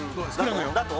だと？